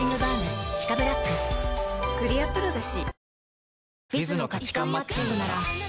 クリアプロだＣ。